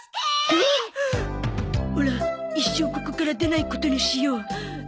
オラ一生ここから出ないことにしよう。